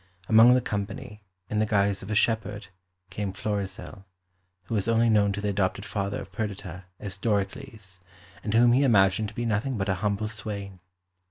Among the company, in the guise of a shepherd, came Florizel, who was only known to the adopted father of Perdita as Doricles, and whom he imagined to be nothing but a humble swain.